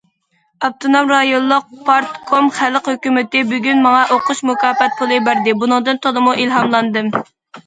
ئاپتونوم رايونلۇق پارتكوم، خەلق ھۆكۈمىتى بۈگۈن ماڭا ئوقۇش مۇكاپات پۇلى بەردى، بۇنىڭدىن تولىمۇ ئىلھاملاندىم.